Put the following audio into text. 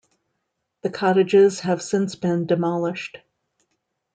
The cottages have since been demolished.